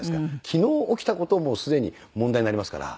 昨日起きた事もすでに問題になりますから。